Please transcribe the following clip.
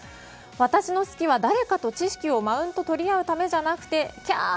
私の好きは誰かと知識のマウントを取り合うためじゃなくてキャー！